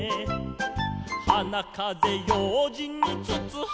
「はなかぜようじんにつつはめた」